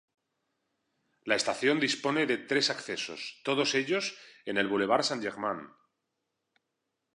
La estación dispone de tres accesos, todos ellos en el bulevar Saint-Germain.